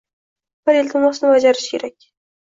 Bir iltimosni bajarish kerak